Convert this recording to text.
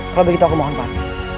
kalau begitu aku mohon patah